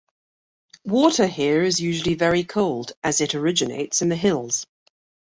Water here is usually very cold as it originates in the hills.